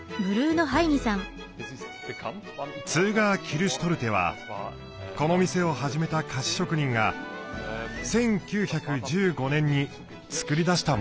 ツーガー・キルシュトルテはこの店を始めた菓子職人が１９１５年に作り出したものです。